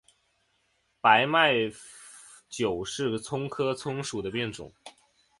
白脉韭是葱科葱属的变种。